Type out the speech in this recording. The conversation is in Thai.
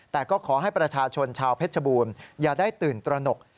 แต่ก็ขอให้ประชาชนชาวเพชรบูรณ์อย่าได้ตื่นตระหนก